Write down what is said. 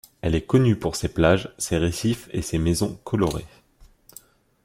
Elle est connue pour ses plages, ses récifs et ses maisons colorées.